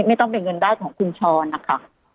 ไม่ต้องเป็นเงินได้ของคุณชรนะคะ